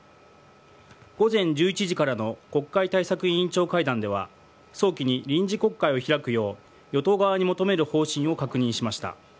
午前１１時からの国会対策委員長会談では早期に臨時国会を開くよう与党側に求める方針を確認しました。